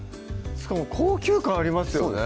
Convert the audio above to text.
しかも高級感ありますよね